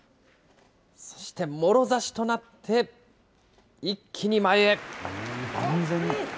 そしてもろ差しとなって、一気に前へ。